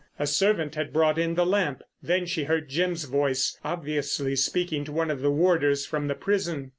A servant had brought in the lamp. Then she heard Jim's voice, obviously speaking to one of the warders from the prison.